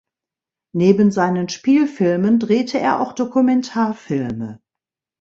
Neben seinen Spielfilmen drehte er auch Dokumentarfilme.